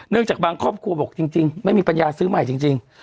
จากบางครอบครัวบอกจริงไม่มีปัญญาซื้อใหม่จริง